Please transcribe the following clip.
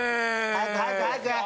早く早く早く。